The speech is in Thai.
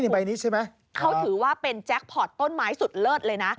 ใบนี้ใช่ไหมเขาถือว่าเป็นแจ็คพอร์ตต้นไม้สุดเลิศเลยนะ